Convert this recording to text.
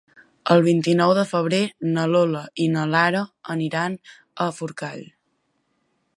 El vint-i-nou de febrer na Lola i na Lara aniran a Forcall.